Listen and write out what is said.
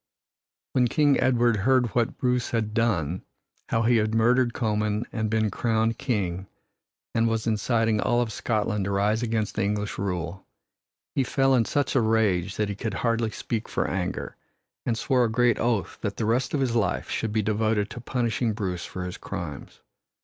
When King Edward heard of what Bruce had done how he had murdered Comyn and been crowned king and was inciting all of Scotland to rise against the English rule, he fell in such a rage that he could hardly speak for anger, and swore a great oath that the rest of his life should be devoted to punishing Bruce for his crimes.